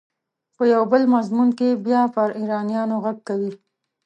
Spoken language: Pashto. په یو بل مضمون کې بیا پر ایرانیانو غږ کوي.